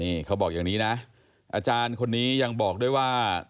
นี่เขาบอกอย่างนี้นะอาจารย์คนนี้ยังบอกด้วยว่า